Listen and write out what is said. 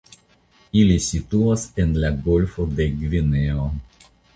Ili situas en la golfo de Gvineo.